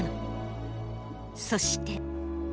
そして。